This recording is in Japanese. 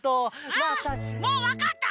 あもうわかった！